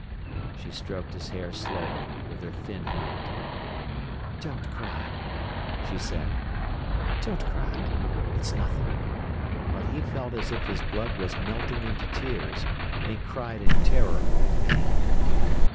She stroked his hair slowly with her thin hand. "Don't cry," she said. "Don't cry—it's nothing." But he felt as if his blood was melting into tears, and he cried in terror and pain.